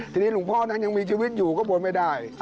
ทีนี้หลวงพ่อนั้นยังมีชีวิตอยู่ก็บนไม่ได้